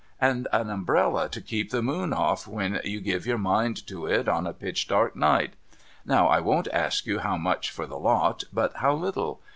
And an umbrella to keep the moon off when you give your mind to it on a pitch dark night. Now I won't ask you how much for the lot, but how little?